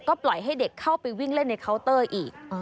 ก็ปล่อยให้เด็กเข้าไปวิ่งเล่นในเคาน์เตอร์อีก